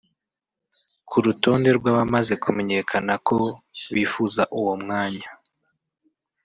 Ku rutonde rw’abamaze kumenyekana ko bifuza uwo mwanya